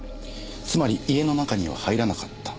つまり家の中には入らなかった。